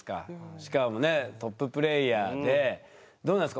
しかもねトッププレーヤーでどうなんですか？